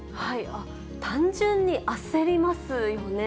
単純に焦りますよね。